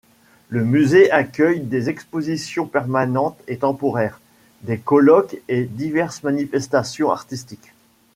Le musée accueille des expositions permanentes et temporaires, des colloques et diverses manifestations artistiques.